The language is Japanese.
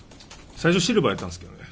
最初シルバーだったんですけどね。